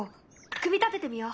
組み立ててみよう。